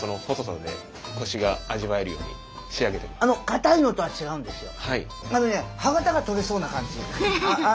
硬いのとは違うんですよ。